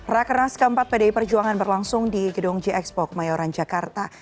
rakernas keempat pdi perjuangan berlangsung di gedung gxpok mayoran jakarta